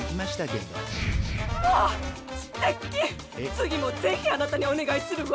次もぜひあなたにお願いするわ！